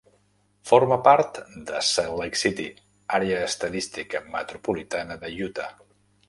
Forma part de Salt Lake City, Àrea Estadística Metropolitana de Utah.